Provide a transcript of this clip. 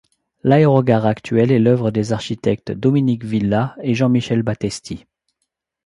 L'aérogare actuelle est l’œuvre des architectes Dominique Villa et Jean Michel Battesti.